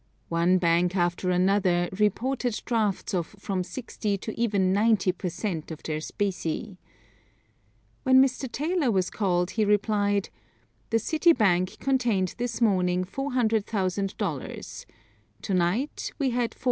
One bank after another reported drafts of from sixty to even ninety per cent. of their specie. When Mr. Taylor was called he replied: "The City Bank contained this morning $400,000; to night we had $480,000."